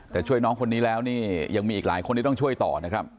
แต่ช่วยน้องคนนี้แล้วนี่ยังมีอีกหลายคนที่ต้องช่วยต่อนะครับ